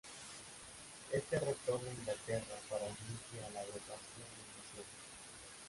Este retornó a Inglaterra para unirse a la agrupación en diciembre.